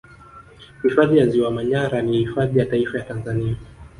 Hifadhi ya Ziwa Manyara ni hifadhi ya Taifa ya Tanzania